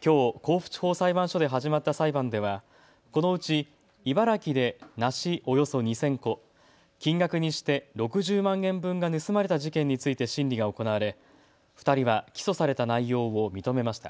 きょう甲府地方裁判所で始まった裁判では、このうち茨城で梨およそ２０００個、金額にして６０万円分が盗まれた事件について審理が行われ、２人は起訴された内容を認めました。